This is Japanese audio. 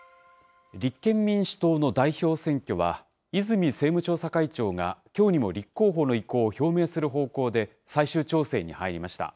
立憲民主党の代表選挙は、泉政務調査会長がきょうにも立候補の意向を表明する方向で、最終調整に入りました。